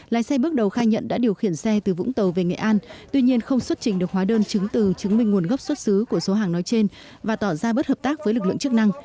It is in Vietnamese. lái xe bước đầu khai nhận đã điều khiển xe từ vũng tàu về nghệ an tuy nhiên không xuất trình được hóa đơn chứng từ chứng minh nguồn gốc xuất xứ của số hàng nói trên và tỏ ra bất hợp tác với lực lượng chức năng